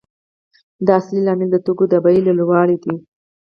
دا اصلي لامل د توکو د بیې لوړوالی دی